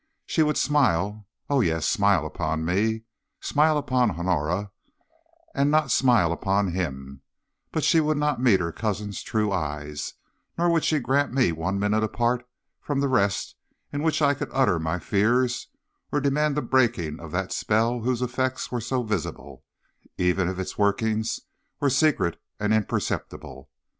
She would smile O yes, smile upon me, smile upon Honora, and not smile upon him; but she would not meet her cousin's true eyes, nor would she grant me one minute apart from the rest in which I could utter my fears or demand the breaking of that spell whose effects were so visible, even if its workings were secret and imperceptible.